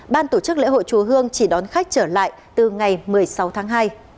ban tổ chức lễ hội chùa hương chỉ đón khách trở lại từ ngày một mươi sáu tháng hai